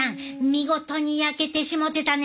見事に焼けてしもてたね。